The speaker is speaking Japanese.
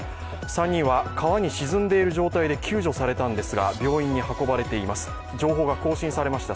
３人は川に沈んでいる状態で救助されたんですが、病院に運ばれています、情報が更新されました。